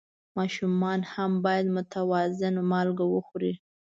ماشومان هم باید متوازن مالګه وخوري.